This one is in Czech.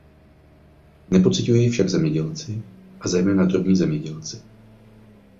Nepociťují jej však zemědělci, a zejména drobní zemědělci.